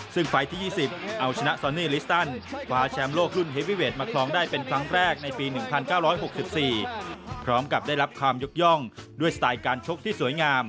ซึ่งไฟล์ที่๒๐เอาชนะซอนี่ลิสตัน